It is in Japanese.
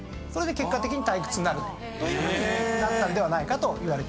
それで結果的に退屈になるというふうになったんではないかと。